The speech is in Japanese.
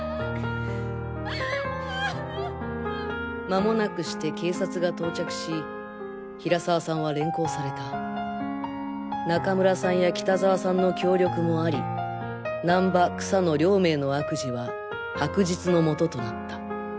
間もなくして警察が到着し平沢さんは連行された中村さんや北沢さんの協力もあり難波草野両名の悪事は白日の下となった。